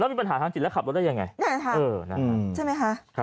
แล้วมีปัญหาทางจิตแล้วขับรถได้อย่างไร